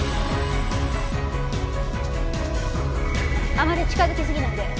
あまり近づきすぎないで。